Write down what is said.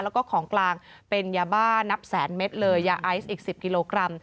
แล้วก็ของกลางเป็นยาบ้านับแสนเม็ดเลยยาไอซ์อีก๑๐กิโลกรัม